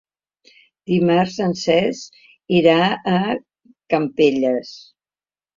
Dimarts en Cesc irà a Campelles.